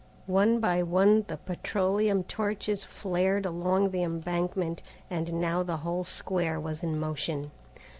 One by one the petroleum torches flared up along the embankment, and now the whole square was in motion.